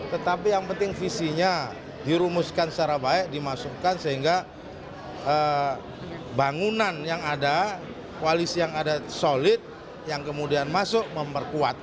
tetapi yang penting visinya dirumuskan secara baik dimasukkan sehingga bangunan yang ada koalisi yang ada solid yang kemudian masuk memperkuat